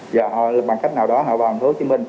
và bằng cách nào đó họ vào tp hcm